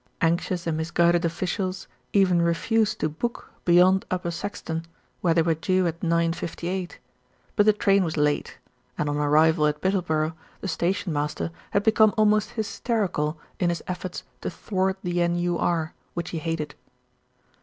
Anxious and misguided offi cials even refused to book beyond Upper Saxton, where they were due at 9.58; but the train was late, and on arrival at Bittleborough the station master had be come almost hysterical in his efforts to thwart the N.U.R., which he hated.